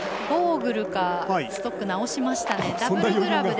ゴーグルかストックを直しましたね。